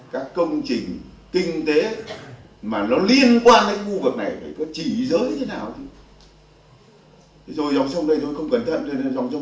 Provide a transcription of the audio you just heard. các công trình kinh tế mà nó liên quan đến khu vực này phải có chỉ dấu